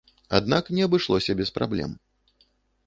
Аднак не абышлося без праблем.